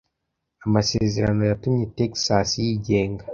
Amasezerano yatumye Texas yigenga.